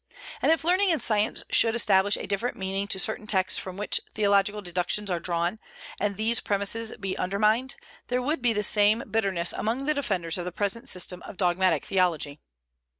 And if learning and science should establish a different meaning to certain texts from which theological deductions are drawn, and these premises be undermined, there would be the same bitterness among the defenders of the present system of dogmatic theology.